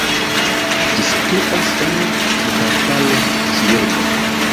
Ĝi situas en Kvartalo Ĉijoda.